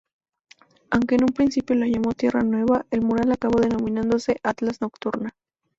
Aunque en un principio lo llamó "Tierra nueva", el mural acabó denominándose "Atlas nocturna".